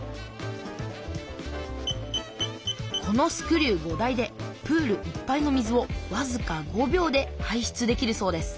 このスクリュー５台でプールいっぱいの水をわずか５秒で排出できるそうです